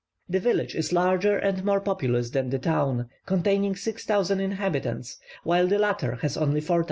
The village is larger and more populous than the town; containing 6,000 inhabitants, while the latter has only 4,000.